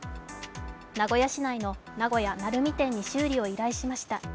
名古屋市内の名古屋鳴海店に修理を依頼しました。